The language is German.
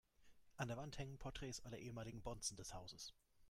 An der Wand hängen Porträts aller ehemaligen Bonzen des Hauses.